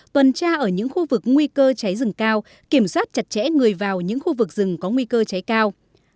tuần tra ở những khu vực nguy cơ cháy rừng cao kiểm soát chặt chẽ người vào những khu vực rừng có nguy cơ cháy cao